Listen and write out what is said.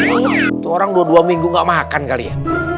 itu orang dua dua minggu gak makan kali ya